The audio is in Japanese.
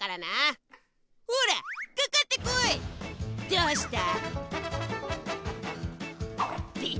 どうした？